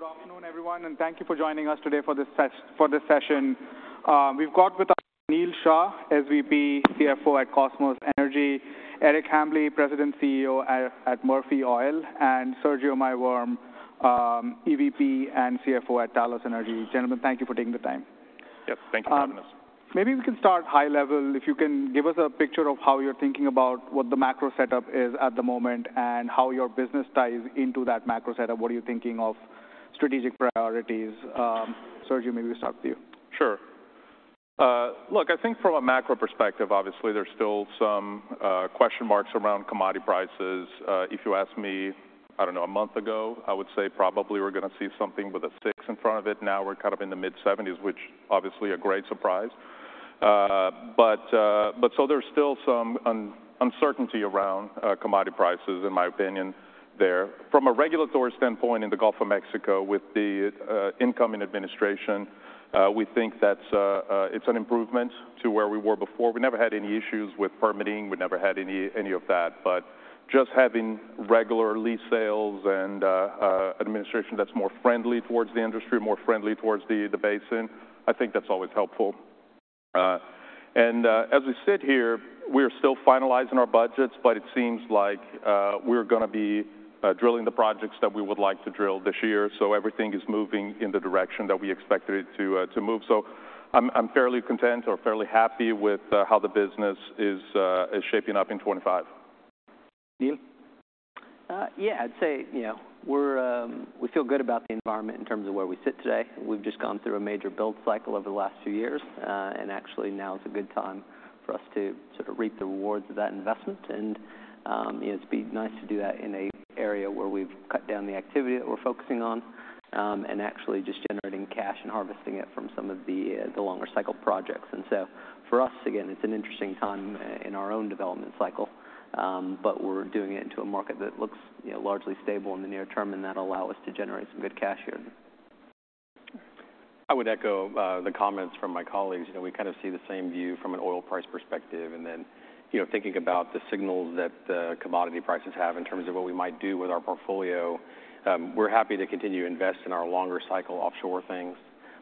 Good afternoon, everyone, and thank you for joining us today for this session. We've got with us Neal Shah, SVP, CFO at Kosmos Energy, Eric Hambly, President CEO at Murphy Oil, and Sergio Maiworm, EVP and CFO at Talos Energy. Gentlemen, thank you for taking the time. Yes, thank you for having us. Maybe we can start high level. If you can give us a picture of how you're thinking about what the macro setup is at the moment and how your business ties into that macro setup, what are you thinking of strategic priorities? Sergio, maybe we'll start with you. Sure. Look, I think from a macro perspective, obviously, there's still some question marks around commodity prices. If you ask me, I don't know, a month ago, I would say probably we're going to see something with a 6 in front of it. Now we're kind of in the mid-70s, which is obviously a great surprise. But so there's still some uncertainty around commodity prices, in my opinion, there. From a regulatory standpoint in the Gulf of Mexico with the incoming administration, we think that it's an improvement to where we were before. We never had any issues with permitting. We never had any of that. But just having regular lease sales and administration that's more friendly towards the industry, more friendly towards the basin, I think that's always helpful. As we sit here, we are still finalizing our budgets, but it seems like we're going to be drilling the projects that we would like to drill this year. Everything is moving in the direction that we expected it to move. I'm fairly content or fairly happy with how the business is shaping up in 2025. Neal? Yeah, I'd say we feel good about the environment in terms of where we sit today. We've just gone through a major build cycle over the last few years, and actually now is a good time for us to reap the rewards of that investment. And it'd be nice to do that in an area where we've cut down the activity that we're focusing on and actually just generating cash and harvesting it from some of the longer cycle projects. And so for us, again, it's an interesting time in our own development cycle, but we're doing it into a market that looks largely stable in the near term, and that'll allow us to generate some good cash here. I would echo the comments from my colleagues. We kind of see the same view from an oil price perspective, and then thinking about the signals that the commodity prices have in terms of what we might do with our portfolio, we're happy to continue to invest in our longer cycle offshore things,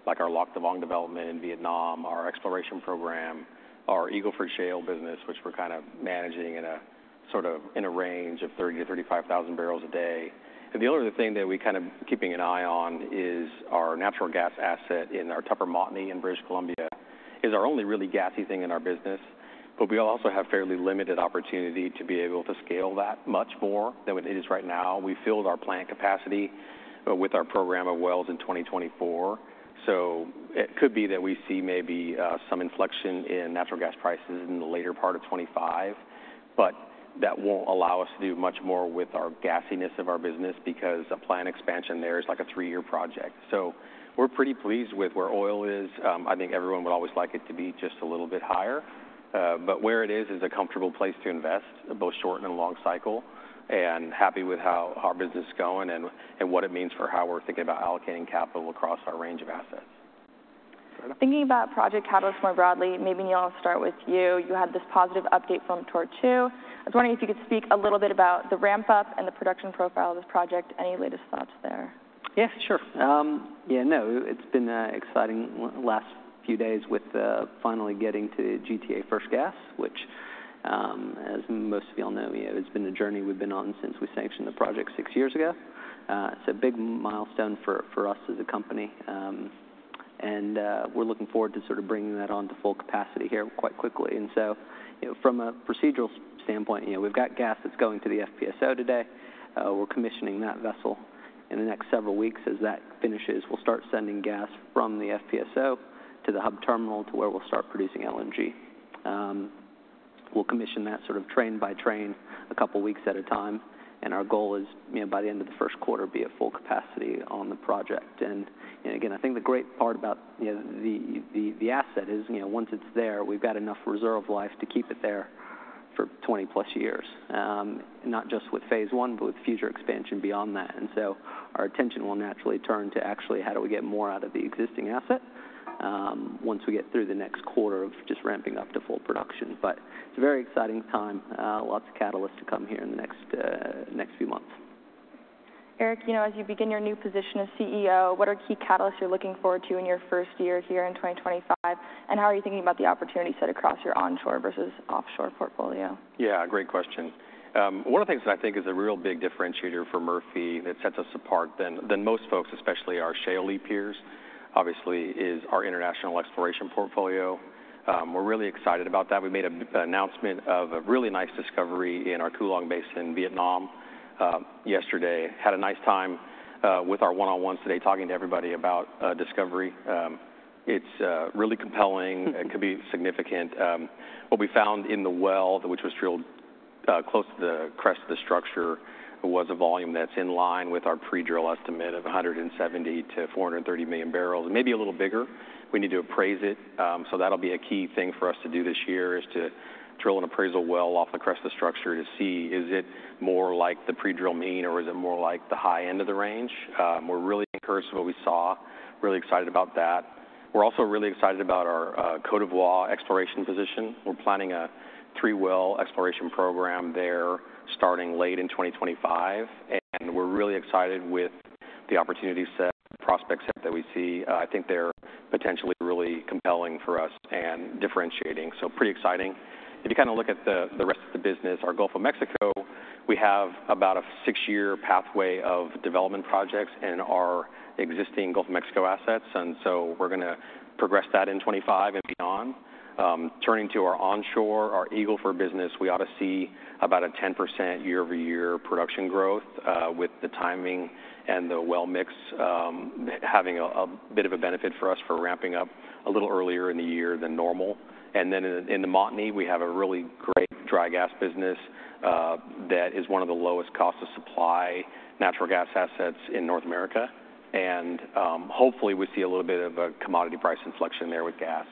like our Lac Da Vang development in Vietnam, our exploration program, our Eagle Ford Shale business, which we're kind of managing in a sort of range of 30,000 to 35,000 barrels a day, and the other thing that we're kind of keeping an eye on is our natural gas asset in our Tupper Montney in British Columbia is our only really gassy thing in our business, but we also have fairly limited opportunity to be able to scale that much more than it is right now. We filled our plant capacity with our program of wells in 2024. So it could be that we see maybe some inflection in natural gas prices in the later part of 2025, but that won't allow us to do much more with our gassiness of our business because a plant expansion there is like a three-year project. So we're pretty pleased with where oil is. I think everyone would always like it to be just a little bit higher. But where it is is a comfortable place to invest, both short and long cycle, and happy with how our business is going and what it means for how we're thinking about allocating capital across our range of assets. Thinking about project catalyst more broadly, maybe Neal, I'll start with you. You had this positive update from Tortue 2. I was wondering if you could speak a little bit about the ramp-up and the production profile of this project. Any latest thoughts there? Yeah, sure. Yeah, no, it's been exciting the last few days with finally getting to GTA First Gas, which, as most of you all know, has been the journey we've been on since we sanctioned the project six years ago. It's a big milestone for us as a company, and we're looking forward to sort of bringing that on to full capacity here quite quickly. So from a procedural standpoint, we've got gas that's going to the FPSO today. We're commissioning that vessel. In the next several weeks, as that finishes, we'll start sending gas from the FPSO to the hub terminal, to where we'll start producing LNG. We'll commission that sort of train by train a couple of weeks at a time. Our goal is, by the end of the first quarter, to be at full capacity on the project. And again, I think the great part about the asset is once it's there, we've got enough reserve life to keep it there for 20+ years, not just with Phase 1, but with future expansion beyond that. And so our attention will naturally turn to actually how do we get more out of the existing asset once we get through the next quarter of just ramping up to full production. But it's a very exciting time. Lots of catalysts to come here in the next few months. Eric, as you begin your new position as CEO, what are key catalysts you're looking forward to in your first year here in 2025? And how are you thinking about the opportunities set across your onshore versus offshore portfolio? Yeah, great question. One of the things that I think is a real big differentiator for Murphy that sets us apart than most folks, especially our shale leap years, obviously, is our international exploration portfolio. We're really excited about that. We made an announcement of a really nice discovery in our Cuu Long Basin, Vietnam, yesterday. Had a nice time with our one-on-ones today, talking to everybody about discovery. It's really compelling. It could be significant. What we found in the well, which was drilled close to the crest of the structure, was a volume that's in line with our pre-drill estimate of 170 to 430 million barrels, maybe a little bigger. We need to appraise it. That'll be a key thing for us to do this year: to drill an appraisal well off the crest of the structure to see is it more like the pre-drill mean or is it more like the high end of the range. We're really encouraged by what we saw. Really excited about that. We're also really excited about our Côte d'Ivoire exploration position. We're planning a three-well exploration program there starting late in 2025, and we're really excited with the opportunities that prospects have that we see. I think they're potentially really compelling for us and differentiating, so pretty exciting. If you kind of look at the rest of the business, our Gulf of Mexico, we have about a six-year pathway of development projects in our existing Gulf of Mexico assets, and so we're going to progress that in 2025 and beyond. Turning to our onshore, our Eagle Ford business, we ought to see about a 10% year-over-year production growth with the timing and the well mix having a bit of a benefit for us for ramping up a little earlier in the year than normal. Then in the Montney, we have a really great dry gas business that is one of the lowest cost of supply natural gas assets in North America. Hopefully, we see a little bit of a commodity price inflection there with gas.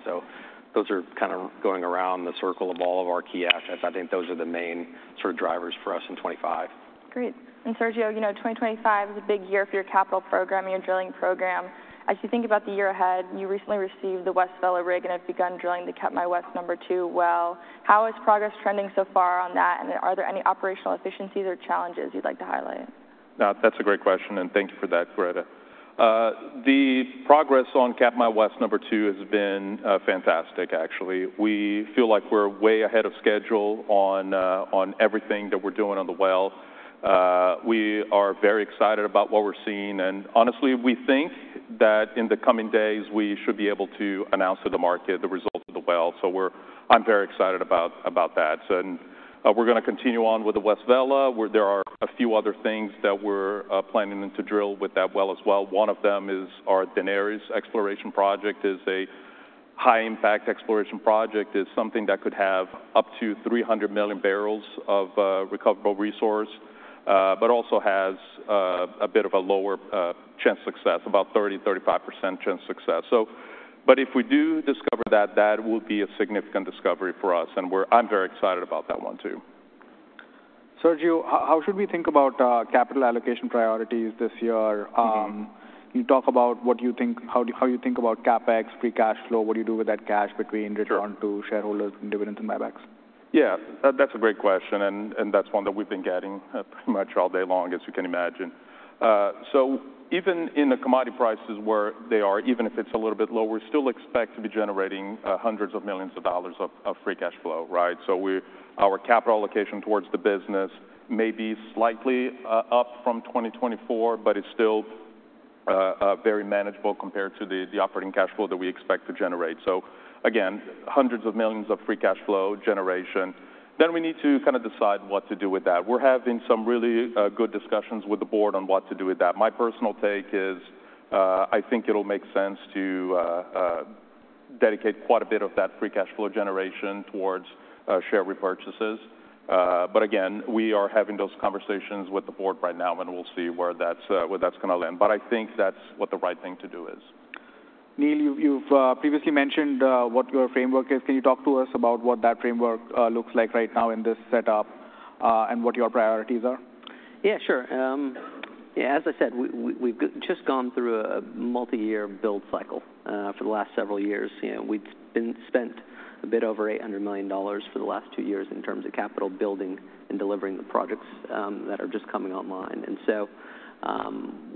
Those are kind of going around the circle of all of our key assets. I think those are the main sort of drivers for us in 2025. Great. And Sergio, you know 2025 is a big year for your capital program and your drilling program. As you think about the year ahead, you recently received the West Vela rig and have begun drilling the Katmai West No. 2 well. How is progress trending so far on that? And are there any operational efficiencies or challenges you'd like to highlight? That's a great question, and thank you for that, Greta. The progress on Katmai West No. 2 has been fantastic, actually. We feel like we're way ahead of schedule on everything that we're doing on the well. We are very excited about what we're seeing, and honestly, we think that in the coming days, we should be able to announce to the market the results of the well, so I'm very excited about that, and we're going to continue on with the West Vela. There are a few other things that we're planning to drill with that well as well. One of them is our Daenerys exploration project. It's a high-impact exploration project. It's something that could have up to 300 million barrels of recoverable resource, but also has a bit of a lower chance of success, about 30%-35% chance of success. But if we do discover that, that will be a significant discovery for us. And I'm very excited about that one too. Sergio, how should we think about capital allocation priorities this year? Can you talk about what you think, how you think about CapEx, free cash flow, what do you do with that cash between return to shareholders and dividends and buybacks? Yeah, that's a great question, and that's one that we've been getting pretty much all day long, as you can imagine. So even in the commodity prices where they are, even if it's a little bit lower, we still expect to be generating hundreds of millions of dollars of free cash flow, right? So our capital allocation towards the business may be slightly up from 2024, but it's still very manageable compared to the operating cash flow that we expect to generate. So again, hundreds of millions of free cash flow generation. Then we need to kind of decide what to do with that. We're having some really good discussions with the board on what to do with that. My personal take is I think it'll make sense to dedicate quite a bit of that free cash flow generation towards share repurchases. But again, we are having those conversations with the board right now, and we'll see where that's going to land. But I think that's what the right thing to do is. Neal, you've previously mentioned what your framework is. Can you talk to us about what that framework looks like right now in this setup and what your priorities are? Yeah, sure. Yeah, as I said, we've just gone through a multi-year build cycle for the last several years. We've spent a bit over $800 million for the last two years in terms of capital building and delivering the projects that are just coming online. And so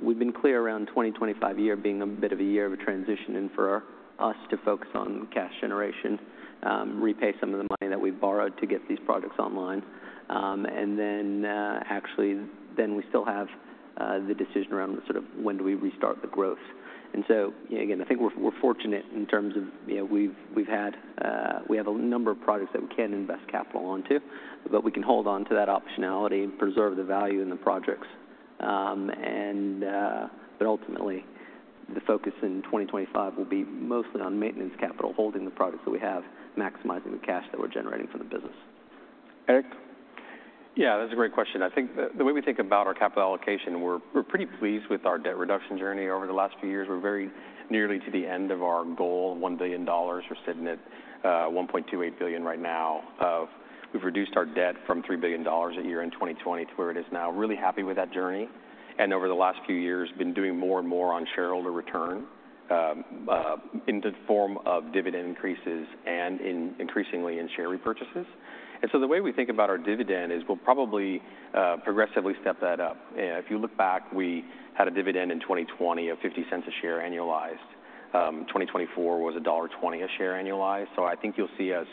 we've been clear around 2025 year being a bit of a year of a transition for us to focus on cash generation, repay some of the money that we've borrowed to get these projects online. And then actually, then we still have the decision around sort of when do we restart the growth. And so again, I think we're fortunate in terms of we have a number of projects that we can invest capital onto, but we can hold on to that optionality and preserve the value in the projects. Ultimately, the focus in 2025 will be mostly on maintenance capital, holding the products that we have, maximizing the cash that we're generating for the business. Eric? Yeah, that's a great question. I think the way we think about our capital allocation, we're pretty pleased with our debt reduction journey over the last few years. We're very nearly to the end of our goal, $1 billion. We're sitting at $1.28 billion right now. We've reduced our debt from $3 billion a year in 2020 to where it is now. Really happy with that journey, and over the last few years, been doing more and more on shareholder return in the form of dividend increases and increasingly in share repurchases, and so the way we think about our dividend is we'll probably progressively step that up. If you look back, we had a dividend in 2020 of $0.50 a share annualized. 2024 was $1.20 a share annualized. So I think you'll see us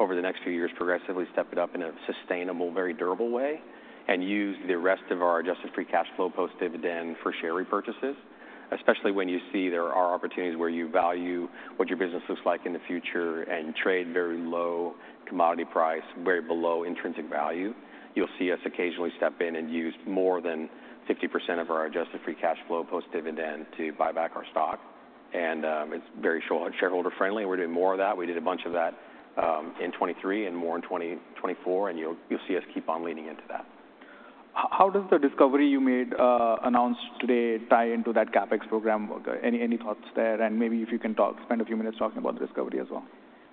over the next few years progressively step it up in a sustainable, very durable way and use the rest of our adjusted free cash flow post-dividend for share repurchases, especially when you see there are opportunities where you value what your business looks like in the future and trade very low commodity price, very below intrinsic value. You'll see us occasionally step in and use more than 50% of our adjusted free cash flow post-dividend to buy back our stock. And it's very shareholder friendly. We're doing more of that. We did a bunch of that in 2023 and more in 2024. And you'll see us keep on leading into that. How does the discovery you made, announced today, tie into that CapEx program? Any thoughts there? And maybe if you can spend a few minutes talking about the discovery as well.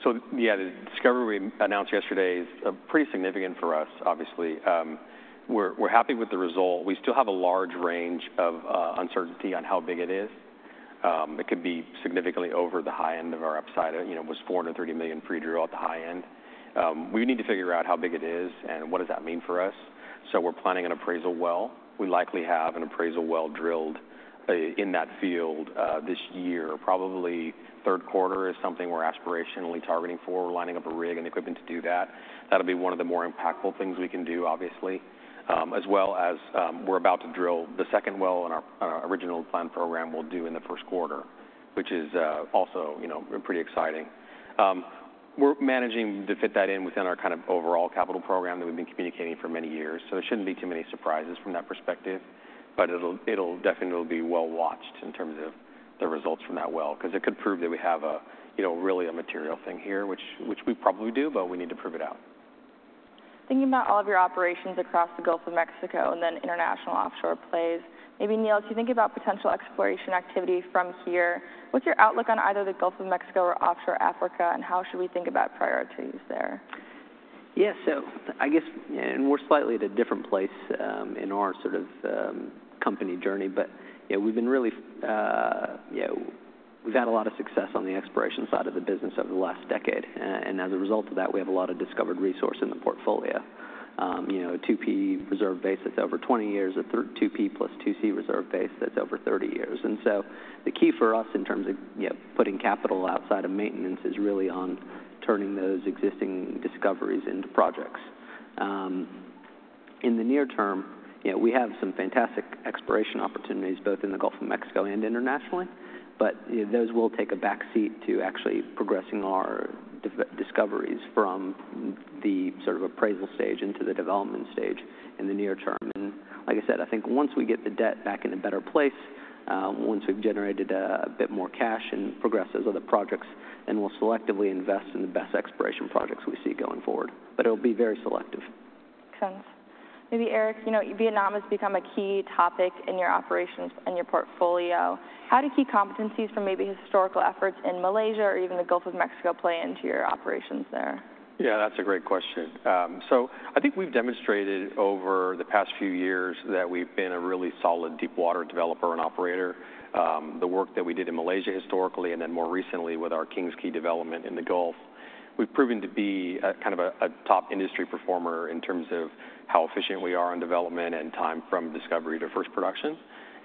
So yeah, the discovery we announced yesterday is pretty significant for us, obviously. We're happy with the result. We still have a large range of uncertainty on how big it is. It could be significantly over the high end of our upside. It was 430 million pre-drill at the high end. We need to figure out how big it is and what does that mean for us? So we're planning an appraisal well. We likely have an appraisal well drilled in that field this year. Probably third quarter is something we're aspirationally targeting for. We're lining up a rig and equipment to do that. That'll be one of the more impactful things we can do, obviously, as well as we're about to drill the second well in our original planned program we'll do in the first quarter, which is also pretty exciting. We're managing to fit that in within our kind of overall capital program that we've been communicating for many years. So there shouldn't be too many surprises from that perspective. But it'll definitely be well watched in terms of the results from that well because it could prove that we have really a material thing here, which we probably do, but we need to prove it out. Thinking about all of your operations across the Gulf of Mexico and then international offshore plays, maybe Neal, if you think about potential exploration activity from here, what's your outlook on either the Gulf of Mexico or offshore Africa, and how should we think about priorities there? Yeah, so I guess we're slightly at a different place in our sort of company journey, but we've had a lot of success on the exploration side of the business over the last decade, and as a result of that, we have a lot of discovered resource in the portfolio, a 2P reserve base that's over 20 years, a 2P + 2C reserve base that's over 30 years, and so the key for us in terms of putting capital outside of maintenance is really on turning those existing discoveries into projects. In the near term, we have some fantastic exploration opportunities both in the Gulf of Mexico and internationally, but those will take a backseat to actually progressing our discoveries from the sort of appraisal stage into the development stage in the near term. And like I said, I think once we get the debt back in a better place, once we've generated a bit more cash and progress those other projects, then we'll selectively invest in the best exploration projects we see going forward. But it'll be very selective. Makes sense. Maybe Eric, you know Vietnam has become a key topic in your operations and your portfolio. How do key competencies from maybe historical efforts in Malaysia or even the Gulf of Mexico play into your operations there? Yeah, that's a great question. So I think we've demonstrated over the past few years that we've been a really solid deep-water developer and operator. The work that we did in Malaysia historically and then more recently with our King's Quay development in the Gulf, we've proven to be kind of a top industry performer in terms of how efficient we are on development and time from discovery to first production,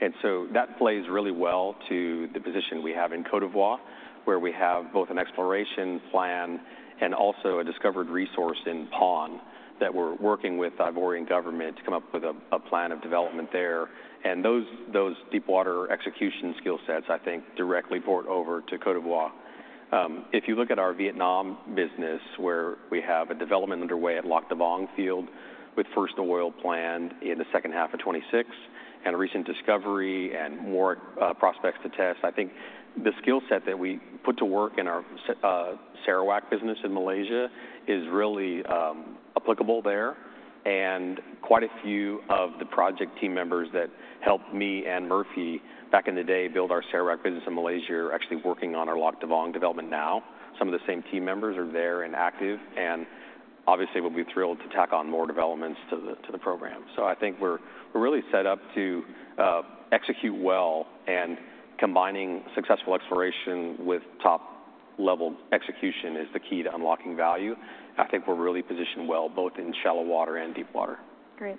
and so that plays really well to the position we have in Côte d'Ivoire, where we have both an exploration plan and also a discovered resource in Paon that we're working with Ivorian government to come up with a plan of development there, and those deep-water execution skill sets, I think, directly port over to Côte d'Ivoire. If you look at our Vietnam business, where we have a development underway at Lac Da Vang field with first oil planned in the second half of 2026 and a recent discovery and more prospects to test, I think the skill set that we put to work in our Sarawak business in Malaysia is really applicable there. And quite a few of the project team members that helped me and Murphy back in the day build our Sarawak business in Malaysia are actually working on our Lac Da Vang development now. Some of the same team members are there and active. And obviously, we'll be thrilled to tack on more developments to the program. So I think we're really set up to execute well. And combining successful exploration with top-level execution is the key to unlocking value. I think we're really positioned well both in shallow water and deep water. Great,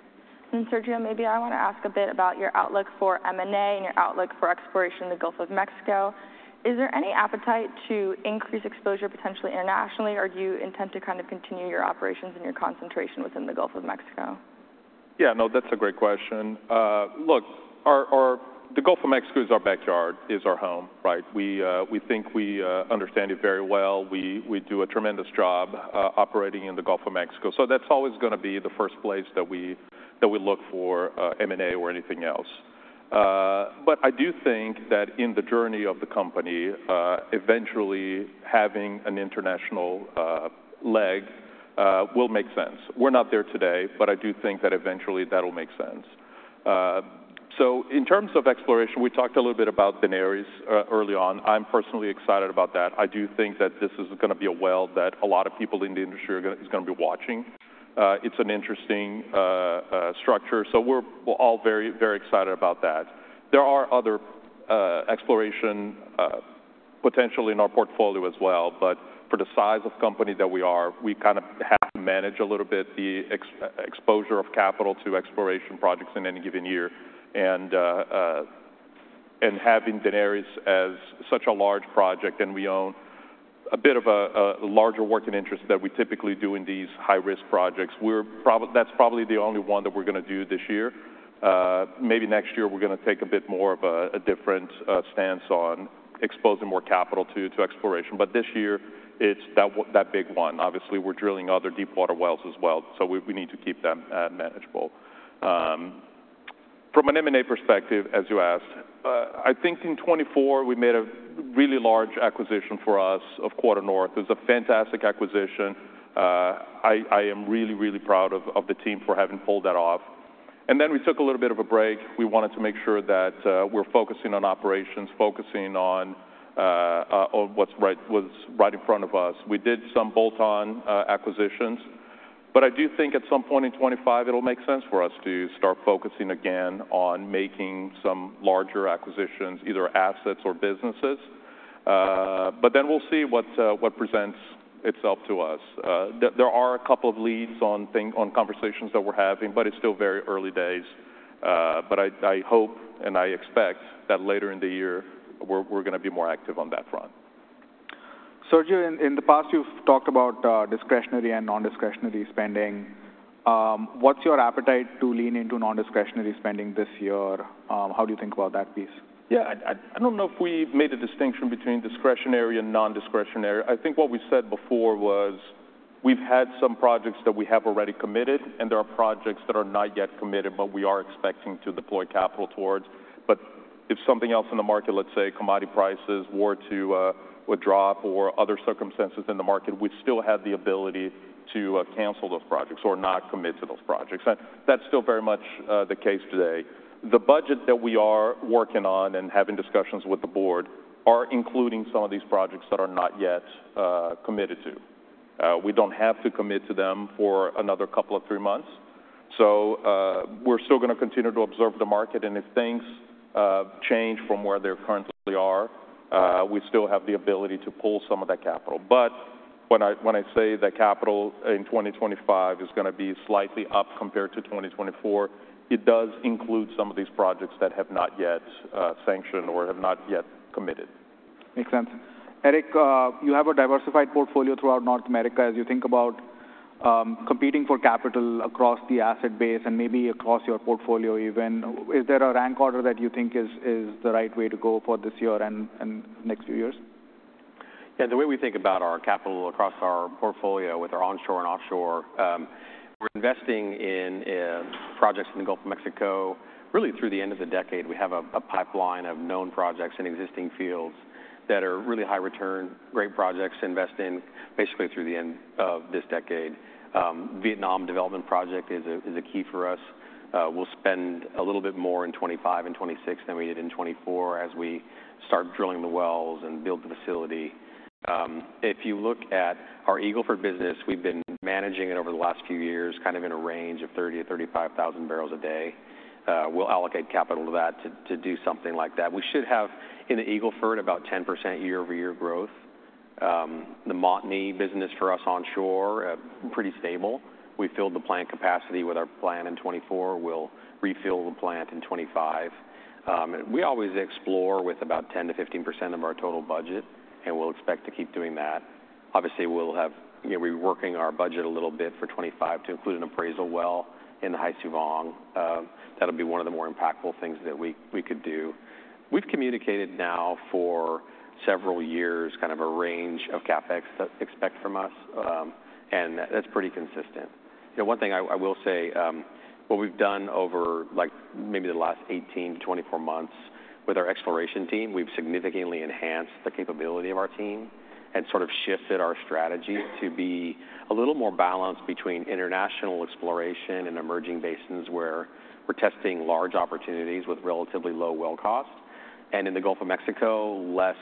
and Sergio, maybe I want to ask a bit about your outlook for M&A and your outlook for exploration in the Gulf of Mexico. Is there any appetite to increase exposure potentially internationally, or do you intend to kind of continue your operations and your concentration within the Gulf of Mexico? Yeah, no, that's a great question. Look, the Gulf of Mexico is our backyard, is our home, right? We think we understand it very well. We do a tremendous job operating in the Gulf of Mexico. So that's always going to be the first place that we look for M&A or anything else. But I do think that in the journey of the company, eventually having an international leg will make sense. We're not there today, but I do think that eventually that'll make sense. So in terms of exploration, we talked a little bit about Daenerys early on. I'm personally excited about that. I do think that this is going to be a well that a lot of people in the industry are going to be watching. It's an interesting structure. So we're all very, very excited about that. There are other exploration potential in our portfolio as well. But for the size of company that we are, we kind of have to manage a little bit the exposure of capital to exploration projects in any given year. And having Daenerys as such a large project, and we own a bit of a larger working interest that we typically do in these high-risk projects, that's probably the only one that we're going to do this year. Maybe next year, we're going to take a bit more of a different stance on exposing more capital to exploration. But this year, it's that big one. Obviously, we're drilling other deep-water wells as well. So we need to keep them manageable. From an M&A perspective, as you asked, I think in 2024, we made a really large acquisition for us of QuarterNorth. It was a fantastic acquisition. I am really, really proud of the team for having pulled that off. We took a little bit of a break. We wanted to make sure that we're focusing on operations, focusing on what's right in front of us. We did some bolt-on acquisitions. I do think at some point in 2025, it'll make sense for us to start focusing again on making some larger acquisitions, either assets or businesses. We'll see what presents itself to us. There are a couple of leads on conversations that we're having, but it's still very early days. I hope and I expect that later in the year, we're going to be more active on that front. Sergio, in the past, you've talked about discretionary and non-discretionary spending. What's your appetite to lean into non-discretionary spending this year? How do you think about that piece? Yeah, I don't know if we've made a distinction between discretionary and non-discretionary. I think what we've said before was we've had some projects that we have already committed, and there are projects that are not yet committed, but we are expecting to deploy capital towards. But if something else in the market, let's say commodity prices were to drop or other circumstances in the market, we still have the ability to cancel those projects or not commit to those projects. And that's still very much the case today. The budget that we are working on and having discussions with the board are including some of these projects that are not yet committed to. We don't have to commit to them for another couple of three months. So we're still going to continue to observe the market. And if things change from where they currently are, we still have the ability to pull some of that capital. But when I say that capital in 2025 is going to be slightly up compared to 2024, it does include some of these projects that have not yet sanctioned or have not yet committed. Makes sense. Eric, you have a diversified portfolio throughout North America. As you think about competing for capital across the asset base and maybe across your portfolio even, is there a rank order that you think is the right way to go for this year and next few years? Yeah, the way we think about our capital across our portfolio with our onshore and offshore, we're investing in projects in the Gulf of Mexico really through the end of the decade. We have a pipeline of known projects in existing fields that are really high-return, great projects to invest in basically through the end of this decade. Vietnam development project is a key for us. We'll spend a little bit more in 2025 and 2026 than we did in 2024 as we start drilling the wells and build the facility. If you look at our Eagle Ford business, we've been managing it over the last few years kind of in a range of 30,000 to 35,000 barrels a day. We'll allocate capital to that to do something like that. We should have in the Eagle Ford about 10% year-over-year growth. The Montney business for us onshore, pretty stable. We filled the plant capacity with our plan in 2024. We'll refill the plant in 2025. We always explore with about 10%-15% of our total budget, and we'll expect to keep doing that. Obviously, we'll have to rework our budget a little bit for 2025 to include an appraisal well in the Hai Su Vang. That'll be one of the more impactful things that we could do. We've communicated now for several years kind of a range of CapEx to expect from us, and that's pretty consistent. One thing I will say, what we've done over maybe the last 18 to 24 months with our exploration team, we've significantly enhanced the capability of our team and sort of shifted our strategy to be a little more balanced between international exploration and emerging basins where we're testing large opportunities with relatively low well cost. In the Gulf of Mexico, less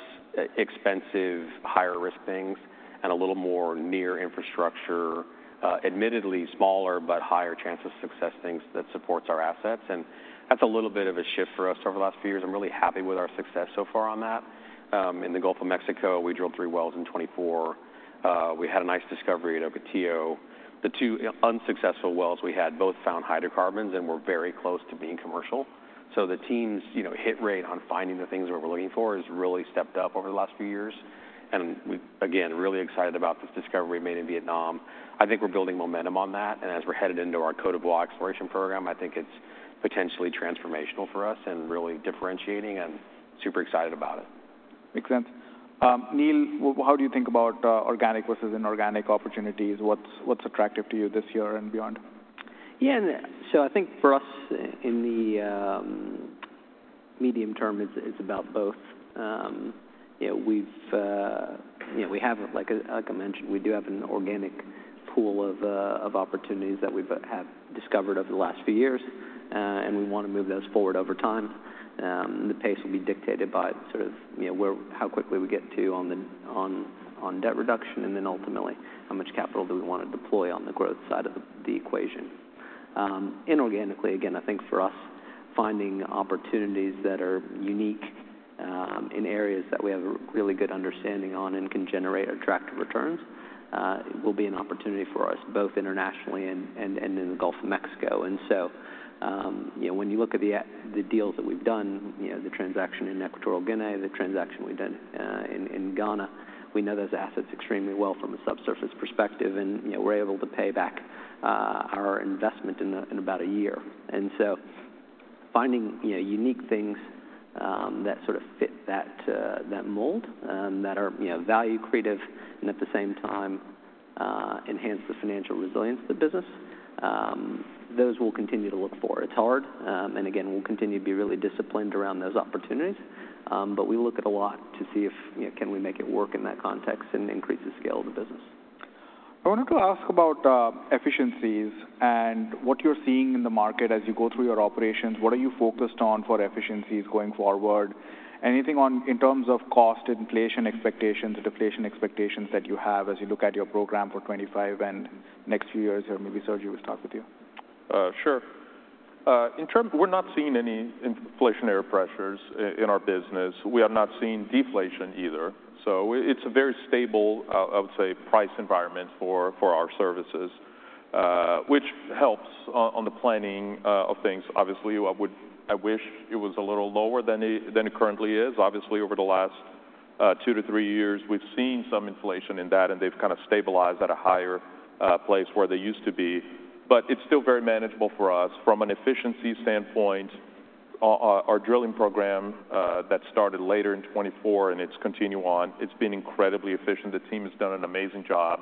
expensive, higher-risk things and a little more near infrastructure, admittedly smaller, but higher chance of success things that support our assets. That's a little bit of a shift for us over the last few years. I'm really happy with our success so far on that. In the Gulf of Mexico, we drilled three wells in 2024. We had a nice discovery at Ocotillo. The two unsuccessful wells we had both found hydrocarbons and were very close to being commercial. The team's hit rate on finding the things we were looking for has really stepped up over the last few years. Again, really excited about this discovery made in Vietnam. I think we're building momentum on that. As we're headed into our Côte d'Ivoire exploration program, I think it's potentially transformational for us and really differentiating and super excited about it. Makes sense. Neal, how do you think about organic versus inorganic opportunities? What's attractive to you this year and beyond? Yeah, so I think for us in the medium term, it's about both. We have, like I mentioned, we do have an organic pool of opportunities that we have discovered over the last few years. And we want to move those forward over time. The pace will be dictated by sort of how quickly we get to on debt reduction and then ultimately how much capital do we want to deploy on the growth side of the equation. Inorganically, again, I think for us, finding opportunities that are unique in areas that we have a really good understanding on and can generate attractive returns will be an opportunity for us both internationally and in the Gulf of Mexico. And so when you look at the deals that we've done, the transaction in Equatorial Guinea, the transaction we've done in Ghana, we know those assets extremely well from a subsurface perspective. And we're able to pay back our investment in about a year. And so finding unique things that sort of fit that mold that are value-creative and at the same time enhance the financial resilience of the business, those we'll continue to look for. It's hard. And again, we'll continue to be really disciplined around those opportunities. But we look at a lot to see if can we make it work in that context and increase the scale of the business. I wanted to ask about efficiencies and what you're seeing in the market as you go through your operations. What are you focused on for efficiencies going forward? Anything in terms of cost inflation expectations or deflation expectations that you have as you look at your program for 2025 and next few years? Or maybe Sergio will start with you. Sure. We're not seeing any inflationary pressures in our business. We have not seen deflation either. So it's a very stable, I would say, price environment for our services, which helps on the planning of things. Obviously, I wish it was a little lower than it currently is. Obviously, over the last two to three years, we've seen some inflation in that, and they've kind of stabilized at a higher place where they used to be. But it's still very manageable for us. From an efficiency standpoint, our drilling program that started later in 2024 and it's continued on, it's been incredibly efficient. The team has done an amazing job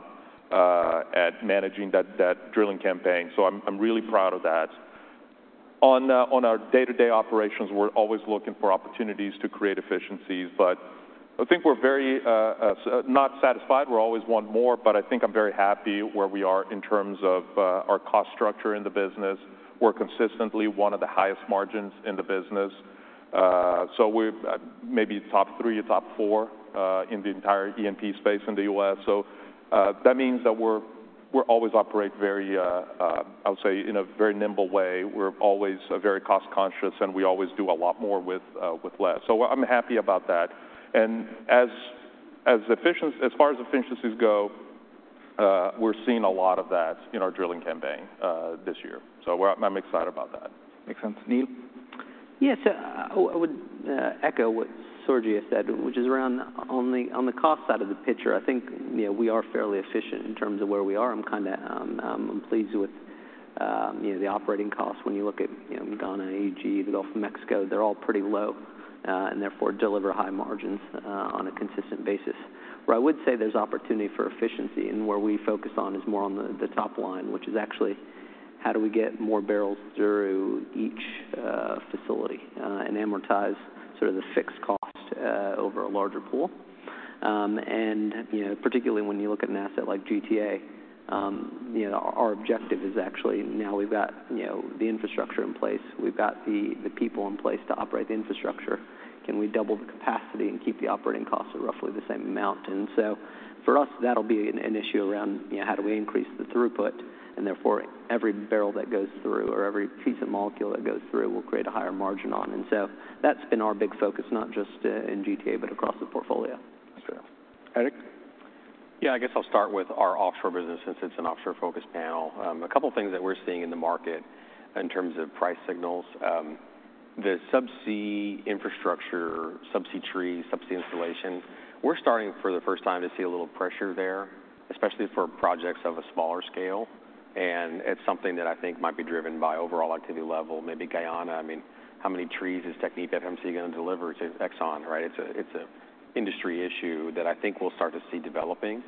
at managing that drilling campaign. So I'm really proud of that. On our day-to-day operations, we're always looking for opportunities to create efficiencies. But I think we're very not satisfied. We always want more. But I think I'm very happy where we are in terms of our cost structure in the business. We're consistently one of the highest margins in the business. So we're maybe top three or top four in the entire E&P space in the U.S. So that means that we always operate very, I would say, in a very nimble way. We're always very cost-conscious, and we always do a lot more with less. So I'm happy about that. And as far as efficiencies go, we're seeing a lot of that in our drilling campaign this year. So I'm excited about that. Makes sense. Neal? Yeah, so I would echo what Sergio said, which is around on the cost side of the picture. I think we are fairly efficient in terms of where we are. I'm kind of pleased with the operating costs when you look at Ghana and the Gulf of Mexico. They're all pretty low and therefore deliver high margins on a consistent basis. Where I would say there's opportunity for efficiency and where we focus on is more on the top line, which is actually how do we get more barrels through each facility and amortize sort of the fixed cost over a larger pool. And particularly when you look at an asset like GTA, our objective is actually now we've got the infrastructure in place. We've got the people in place to operate the infrastructure. Can we double the capacity and keep the operating costs at roughly the same amount? And so for us, that'll be an issue around how do we increase the throughput. And therefore, every barrel that goes through or every piece of molecule that goes through will create a higher margin on. And so that's been our big focus, not just in GTA, but across the portfolio. That's fair. Eric? Yeah, I guess I'll start with our offshore business since it's an offshore-focused panel. A couple of things that we're seeing in the market in terms of price signals, the subsea infrastructure, subsea trees, subsea installations, we're starting for the first time to see a little pressure there, especially for projects of a smaller scale, and it's something that I think might be driven by overall activity level, maybe Guyana. I mean, how many trees is TechnipFMC going to deliver to Exxon, right? It's an industry issue that I think we'll start to see developing,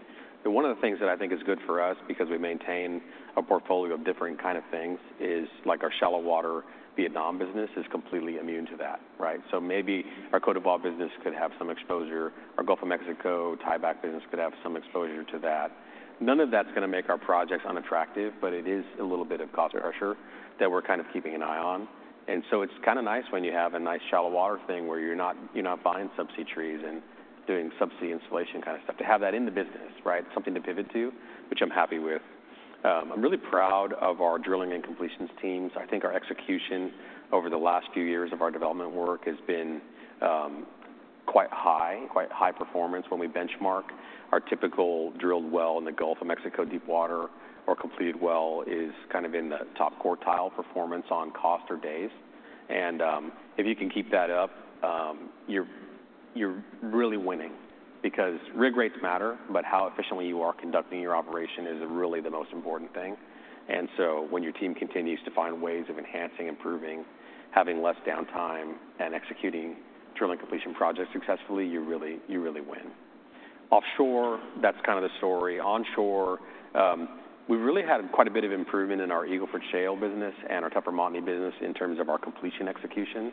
and one of the things that I think is good for us because we maintain a portfolio of different kinds of things is like our shallow water Vietnam business is completely immune to that, right, so maybe our Côte d'Ivoire business could have some exposure. Our Gulf of Mexico tieback business could have some exposure to that. None of that's going to make our projects unattractive, but it is a little bit of cost pressure that we're kind of keeping an eye on. And so it's kind of nice when you have a nice shallow water thing where you're not buying subsea trees and doing subsea installation kind of stuff. To have that in the business, right? Something to pivot to, which I'm happy with. I'm really proud of our drilling and completions teams. I think our execution over the last few years of our development work has been quite high, quite high performance. When we benchmark our typical drilled well in the Gulf of Mexico deep water or completed well is kind of in the top quartile performance on cost or days. If you can keep that up, you're really winning because rig rates matter, but how efficiently you are conducting your operation is really the most important thing. So when your team continues to find ways of enhancing, improving, having less downtime, and executing drilling completion projects successfully, you really win. Offshore, that's kind of the story. Onshore, we really had quite a bit of improvement in our Eagle Ford Shale business and our Tupper Montney business in terms of our completion execution.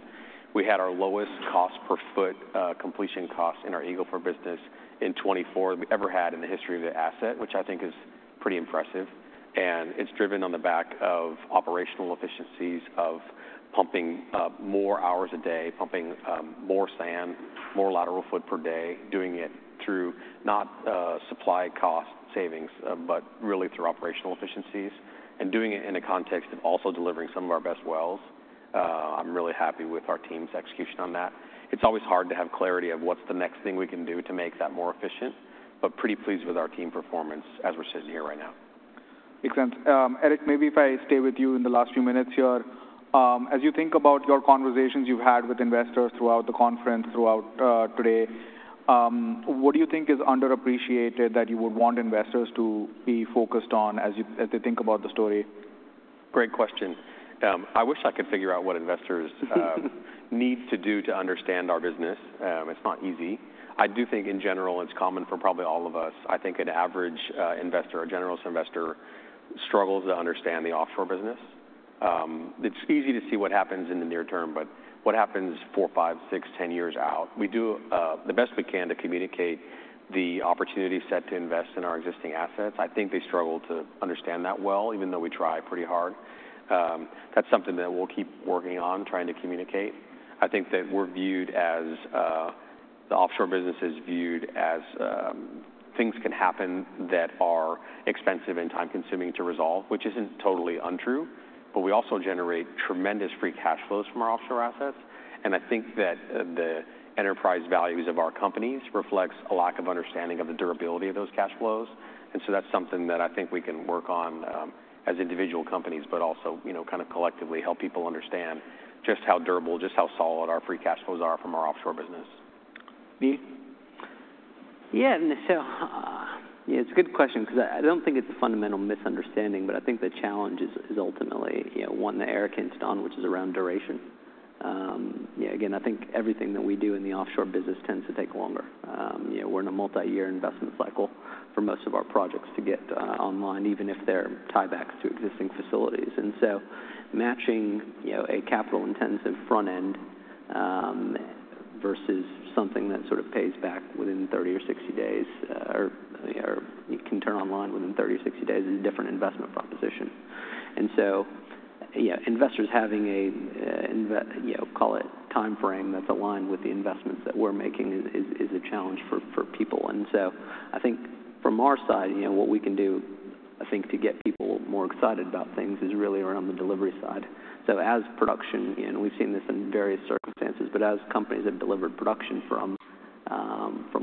We had our lowest cost per foot completion cost in our Eagle Ford business in 2024 that we ever had in the history of the asset, which I think is pretty impressive. It's driven on the back of operational efficiencies of pumping more hours a day, pumping more sand, more lateral foot per day, doing it through not supply cost savings, but really through operational efficiencies. And doing it in a context of also delivering some of our best wells. I'm really happy with our team's execution on that. It's always hard to have clarity of what's the next thing we can do to make that more efficient, but pretty pleased with our team performance as we're sitting here right now. Makes sense. Eric, maybe if I stay with you in the last few minutes here, as you think about your conversations you've had with investors throughout the conference, throughout today, what do you think is underappreciated that you would want investors to be focused on as they think about the story? Great question. I wish I could figure out what investors need to do to understand our business. It's not easy. I do think in general, it's common for probably all of us. I think an average investor, a generalist investor, struggles to understand the offshore business. It's easy to see what happens in the near term, but what happens four, five, six, ten years out? We do the best we can to communicate the opportunity set to invest in our existing assets. I think they struggle to understand that well, even though we try pretty hard. That's something that we'll keep working on, trying to communicate. I think that we're viewed as the offshore business is viewed as things can happen that are expensive and time-consuming to resolve, which isn't totally untrue. But we also generate tremendous free cash flows from our offshore assets. And I think that the enterprise values of our companies reflects a lack of understanding of the durability of those cash flows. And so that's something that I think we can work on as individual companies, but also kind of collectively help people understand just how durable, just how solid our free cash flows are from our offshore business. Neal? Yeah, so it's a good question because I don't think it's a fundamental misunderstanding, but I think the challenge is ultimately one that Eric hints on, which is around duration. Again, I think everything that we do in the offshore business tends to take longer. We're in a multi-year investment cycle for most of our projects to get online, even if they're tiebacks to existing facilities. And so matching a capital-intensive front end versus something that sort of pays back within 30 or 60 days or you can turn online within 30 or 60 days is a different investment proposition. And so investors having a, call it timeframe that's aligned with the investments that we're making is a challenge for people. And so I think from our side, what we can do, I think to get people more excited about things is really around the delivery side. So as production, and we've seen this in various circumstances, but as companies have delivered production from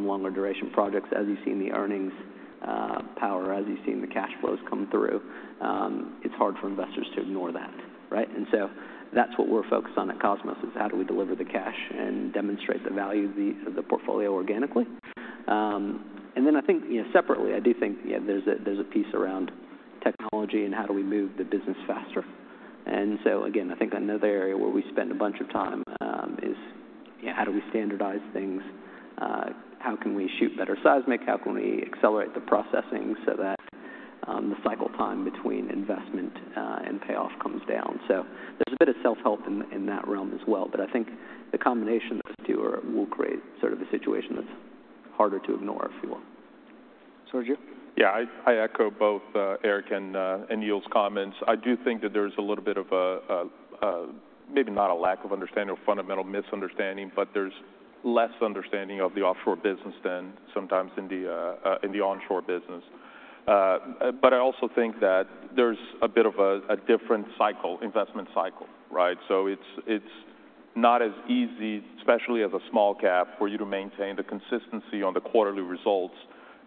longer duration projects, as you've seen the earnings power, as you've seen the cash flows come through, it's hard for investors to ignore that, right? And so that's what we're focused on at Kosmos is how do we deliver the cash and demonstrate the value of the portfolio organically. And then I think separately, I do think there's a piece around technology and how do we move the business faster. And so again, I think another area where we spend a bunch of time is how do we standardize things? How can we shoot better seismic? How can we accelerate the processing so that the cycle time between investment and payoff comes down? So there's a bit of self-help in that realm as well. But I think the combination of those two will create sort of a situation that's harder to ignore, if you will. Sergio? Yeah, I echo both Eric and Neal's comments. I do think that there's a little bit of a maybe not a lack of understanding or fundamental misunderstanding, but there's less understanding of the offshore business than sometimes in the onshore business. But I also think that there's a bit of a different cycle, investment cycle, right? So it's not as easy, especially as a small cap, for you to maintain the consistency on the quarterly results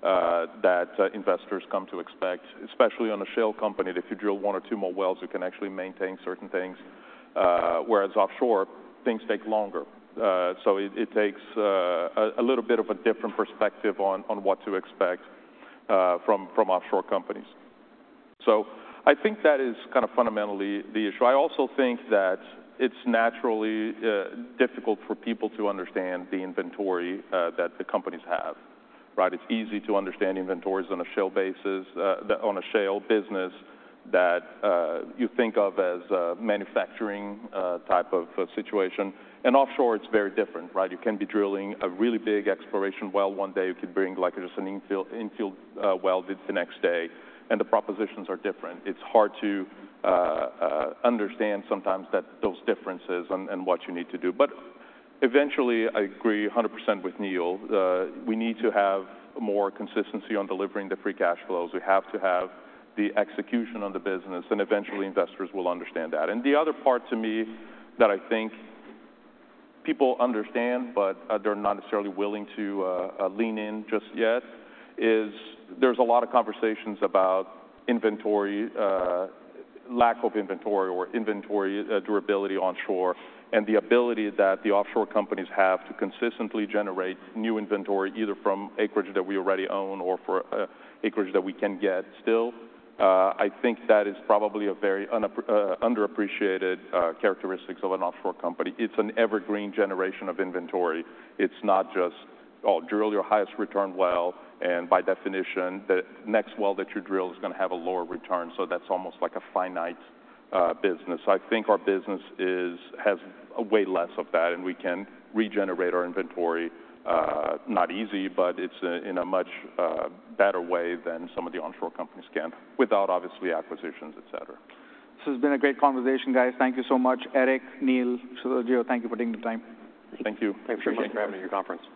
that investors come to expect, especially on a shale company that if you drill one or two more wells, you can actually maintain certain things. Whereas offshore, things take longer. So it takes a little bit of a different perspective on what to expect from offshore companies. So I think that is kind of fundamentally the issue. I also think that it's naturally difficult for people to understand the inventory that the companies have, right? It's easy to understand inventories on a shale business that you think of as a manufacturing type of situation. And offshore, it's very different, right? You can be drilling a really big exploration well one day. You could bring like just an infield well the next day, and the propositions are different. It's hard to understand sometimes those differences and what you need to do. But eventually, I agree 100% with Neal. We need to have more consistency on delivering the free cash flows. We have to have the execution on the business, and eventually investors will understand that. The other part to me that I think people understand, but they're not necessarily willing to lean in just yet is there's a lot of conversations about inventory, lack of inventory or inventory durability onshore, and the ability that the offshore companies have to consistently generate new inventory either from acreage that we already own or for acreage that we can get still. I think that is probably a very underappreciated characteristic of an offshore company. It's an evergreen generation of inventory. It's not just, oh, drill your highest return well. By definition, the next well that you drill is going to have a lower return. That's almost like a finite business. I think our business has way less of that, and we can regenerate our inventory. Not easy, but it's in a much better way than some of the onshore companies can without, obviously, acquisitions, etc. This has been a great conversation, guys. Thank you so much, Eric, Neal, Sergio. Thank you for taking the time. Thank you. Thanks for having me on your conference.